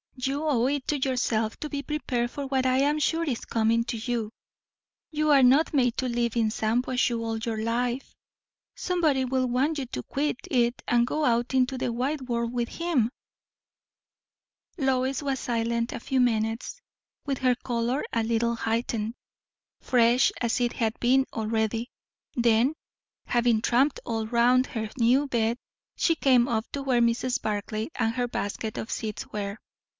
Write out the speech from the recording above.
"You owe it to yourself to be prepared for what I am sure is coming to you. You are not made to live in Shampuashuh all your life. Somebody will want you to quit it and go out into the wide world with him." Lois was silent a few minutes, with her colour a little heightened, fresh as it had been already; then, having tramped all round her new bed, she came up to where Mrs. Barclay and her basket of seeds were.